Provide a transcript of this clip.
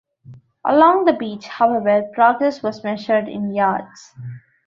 Along the beach, however, progress was measured in yards.